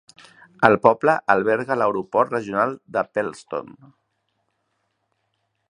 El poble alberga l'aeroport regional de Pellston.